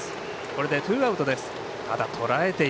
これでツーアウト。